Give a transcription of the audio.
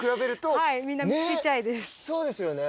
そうですよね。